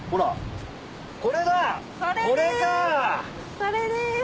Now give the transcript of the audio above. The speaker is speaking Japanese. それです！